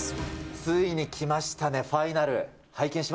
ついに来ましたね、ファイナル。